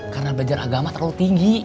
karena belajar agama terlalu tinggi